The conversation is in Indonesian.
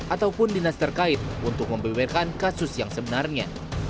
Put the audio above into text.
ataupun dinas terkait untuk membeberkan kasus yang sebenarnya